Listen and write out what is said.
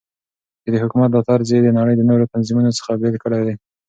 چې دحكومت دا طرز يي دنړۍ دنورو تنظيمونو څخه بيل كړى دى .